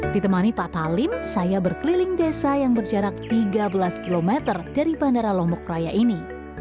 ditemani pak talim saya berkeliling desa yang berjarak tiga belas km dari bandara lombok raya ini